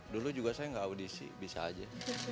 dulu juga saya nggak audisi bisa aja